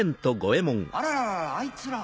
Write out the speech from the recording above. あらららあいつら。